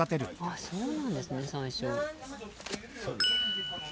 あっそうなんですね最初。